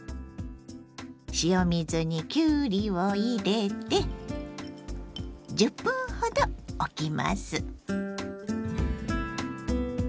塩水にきゅうりを入れて１０分ほどおきます。